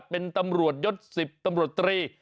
เป็นตำรวจยศ๑๐ตำรวจตรี